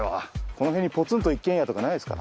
この辺にポツンと一軒家とかないですか？